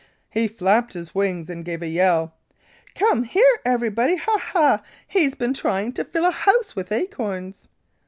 "He flapped his wings and gave a yell: 'Come here, everybody! Ha! Ha! He's been trying to fill a house with acorns!'